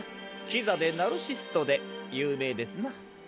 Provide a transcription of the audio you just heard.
キザでナルシストでゆうめいですな。